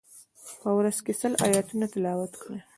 په ورځ کی سل آیتونه تلاوت وکړئ.